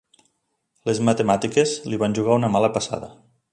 Les matemàtiques li van jugar una mala passada.